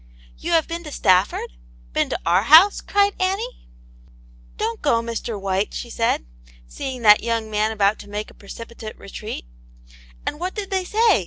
" You have been to Stafford.^ Been to our house .^^ cried Annie. " Don't go, Mr. White," she said, see ing that young man about to make a precipitate retreat "And what did they say.